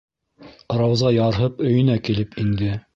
- Рауза ярһып өйөнә килеп инде.